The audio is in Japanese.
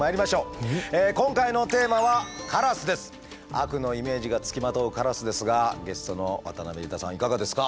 今回のテーマは悪のイメージが付きまとうカラスですがゲストの渡辺裕太さんいかがですか？